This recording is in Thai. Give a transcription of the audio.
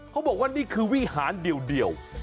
เขาบอกว่านี่คือวิหารเดียว